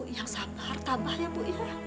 yang sabar tambah ya bu